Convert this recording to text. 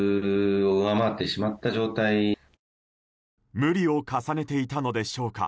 無理を重ねていたのでしょうか。